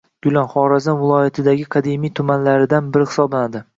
Gurlan – Xorazm viloyatidagi qadimiy tumanlaridan biri hisoblanadi.